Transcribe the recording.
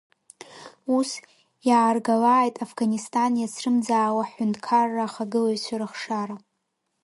Ус иааргалааит Афганисҭан иацрымӡаауа ҳҳәынҭқарра ахагылаҩцәа рыхшара.